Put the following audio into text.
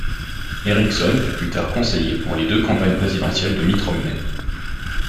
Erickson fut plus tard conseiller pour les deux campagnes présidentielles de Mitt Romney.